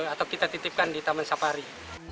atau kita titipkan di taman safari